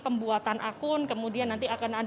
pembuatan akun kemudian nanti akan